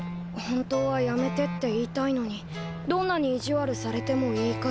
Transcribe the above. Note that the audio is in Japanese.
本当はやめてって言いたいのにどんなに意地悪されても言い返せない。